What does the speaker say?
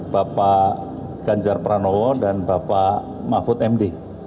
bapak ganjar pranowo dan bapak mahfud md